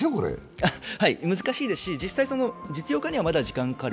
難しいですし、実際に実用化にはまだ時間がかかる。